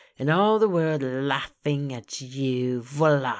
And all the world laughing at you — vWa!